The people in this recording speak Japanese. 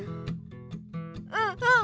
うんうん！